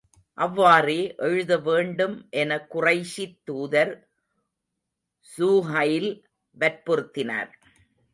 அவ்வாறே எழுத வேண்டும் என குறைஷித் தூதர் ஸூஹைல் வற்புறுத்தினார்.